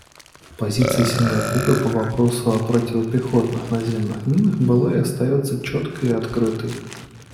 Позиция Сингапура по вопросу о противопехотных наземных минах была и остается четкой и открытой.